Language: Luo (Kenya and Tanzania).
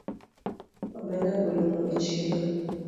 Omena orumo echiro